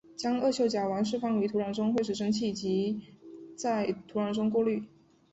把二溴甲烷释放于土壤中会使之蒸发及在土地中过滤。